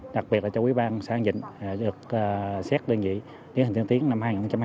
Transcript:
đặc biệt là cho quý bang xã hàng vịnh được xét đơn vị hình tiên tiến năm hai nghìn hai mươi